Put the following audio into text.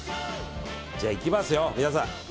じゃあいきますよ、皆さん。